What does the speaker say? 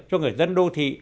cho người dân đô thị